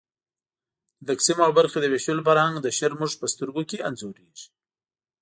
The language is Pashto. د تقسیم او برخې د وېشلو فرهنګ د شرمښ په سترګو کې انځورېږي.